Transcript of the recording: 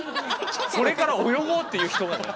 これから泳ごうっていう人がだよ？